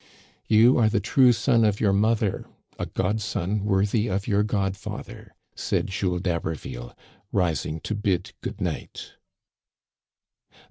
"You are the true son of your mother, a godson worthy of your godfather," said Jules d'Haberville, ris ing to bid good ni^^ht.